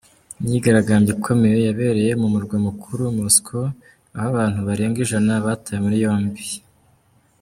Imyigaragambyo ikomeye yabereye mu murwa mukuru Moscow aho abantu barenga ijana batawe muri yombi.